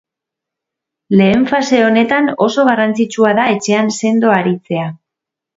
Lehen fase honetan oso garrantzitsua da etxean sendo aritzea.